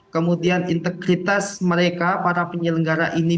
kemudian integritas mereka para penyelenggara ini